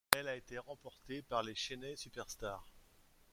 Elle a été remportée par les Chennai Superstars.